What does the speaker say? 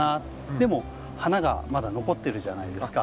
でも花がまだ残ってるじゃないですか。